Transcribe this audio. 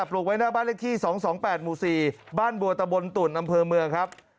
ลูกไว้หน้าบ้านเลขที่๒๒๘หมู่๔บ้านบัวตะบนตุ่นอำเภอเมืองครับ